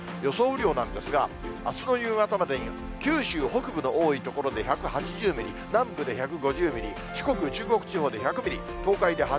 雨量なんですが、あすの夕方までに九州北部の多い所で１８０ミリ、南部で１５０ミリ、四国、中国地方で１００ミリ、東海で